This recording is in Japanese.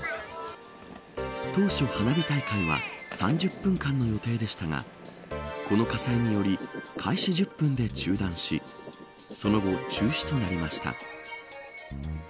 当初、花火大会は３０分間の予定でしたがこの火災により開始１０分で中断しその後、中止となりました。